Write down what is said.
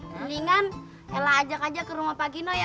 mendingan ela ajak aja ke rumah pak gino ya